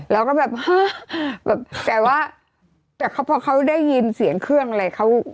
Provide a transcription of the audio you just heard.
แล้วก็แบบแต่ว่าแต่พอเขาได้ยินเสียงเครื่องอะไรเขา